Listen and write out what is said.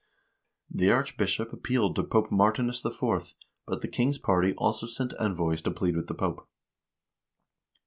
The archbishop appealed to Pope Martinus IV., but the king's party also sent envoys to plead with the Pope.